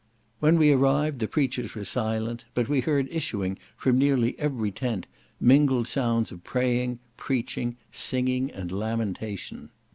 When we arrived, the preachers were silent; but we heard issuing from nearly every tent mingled sounds of praying, preaching, singing, and lamentation.